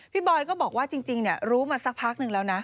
บอยก็บอกว่าจริงรู้มาสักพักนึงแล้วนะ